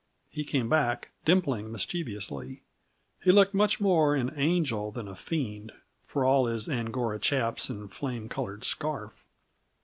He came back, dimpling mischievously. He looked much more an angel than a fiend, for all his Angora chaps and flame colored scarf.